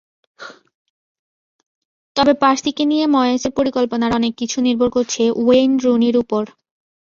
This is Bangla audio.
তবে পার্সিকে নিয়ে ময়েসের পরিকল্পনার অনেক কিছু নির্ভর করছে ওয়েইন রুনির ওপর।